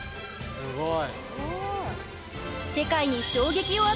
すごい。